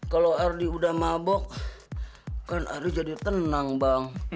kalau ardi udah mabok kan ardi jadi tenang bang